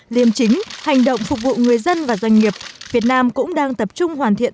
liêm chính hành động phục vụ người dân và doanh nghiệp việt nam cũng đang tập trung hoàn thiện